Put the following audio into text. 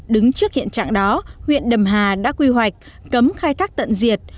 đứng trước hiện trạng đó huyện đầm hà đã quy hoạch cấm khai thác tận diệt